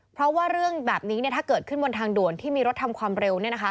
เพราะว่าเรื่องแบบนี้ถ้าเกิดขึ้นบนทางด่วนที่มีรถทำความเร็ว